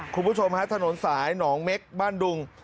คุณผู้ชมฮะถนนสายหนองเม็กบ้านดุง